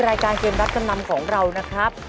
รายการเกมรับจำนำของเรานะครับ